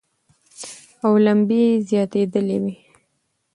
اور لمبې زیاتېدلې وې.